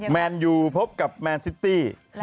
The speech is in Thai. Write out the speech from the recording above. แมนยูพบกับแมนซิตี้